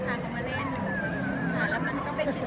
ต้องเตรียมตัวมาทำงานกับเด็ก